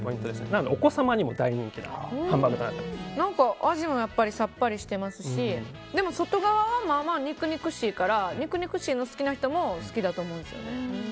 なのでお子様にも大人気な味もさっぱりしてますしでも、外側はまあまあ肉々しいから肉々しいが好きな人も好きだと思うんですよね。